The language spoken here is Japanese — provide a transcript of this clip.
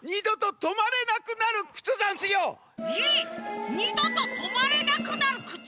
えっ？にどととまれなくなるくつ！？